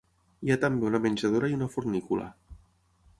Hi ha també una menjadora i una fornícula.